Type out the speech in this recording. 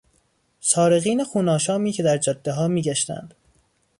سارقین خون آشامی که در جادهها میگشتند